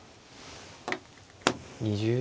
２０秒。